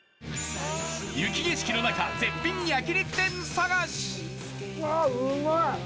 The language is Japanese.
雪景色の中絶品焼肉店探しうわうまい！